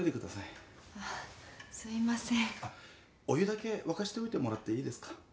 お湯だけ沸かしておいてもらっていいですか？